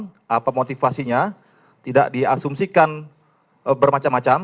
dan pemotivasinya tidak diasumsikan bermacam macam